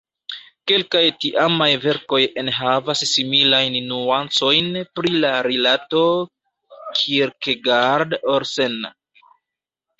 Kelkaj tiamaj verkoj enhavas similajn nuancojn pri la rilato Kierkegaard-Olsen.